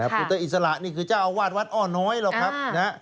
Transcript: พุทธอิสระนี่คือเจ้าอาวาสวัดอ้อน้อยหรอกครับ